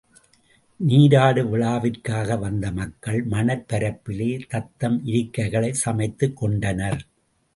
நீராடுவிழாவிற்காக வந்த மக்கள் மணற் பரப்பிலே தத்தம் இருக்கைகளைச் சமைத்துக் கொண்டனர்.